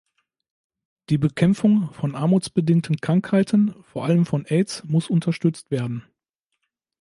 Die Bekämpfung von armutsbedingten Krankheiten, vor allem von Aids, muss unterstützt werden.